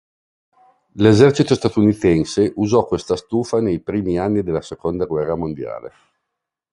L'esercito statunitense usò questa stufa nei primi anni della seconda guerra mondiale.